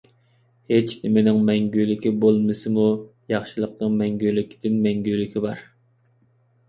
ھېچنىمىنىڭ مەڭگۈلۈكى بولمىسىمۇ ياخشىلىقنىڭ مەڭگۈلىكىدىن مەڭگۈلۈكى بار.